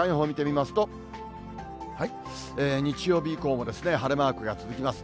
週間予報を見てみますと、日曜日以降も晴れマークが続きます。